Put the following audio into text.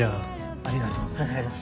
ありがとうございます。